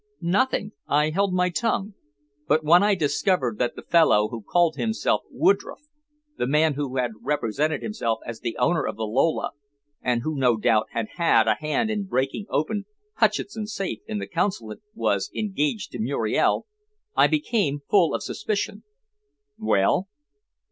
"Nothing. I held my tongue. But when I discovered that the fellow who called himself Woodroffe the man who had represented himself as the owner of the Lola, and who, no doubt, had had a hand in breaking open Hutcheson's safe in the Consulate was engaged to Muriel, I became full of suspicion." "Well?"